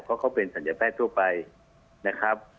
เพราะเขาเป็นศัลยแพทย์ทั่วไปนะครับ